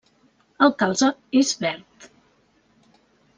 El calze és verd.